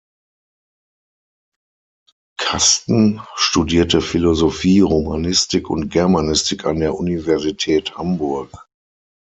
Kasten studierte Philosophie, Romanistik und Germanistik an der Universität Hamburg.